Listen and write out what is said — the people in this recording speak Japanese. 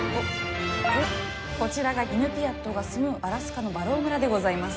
こちらがイヌピアットが住むアラスカのバロー村でございます。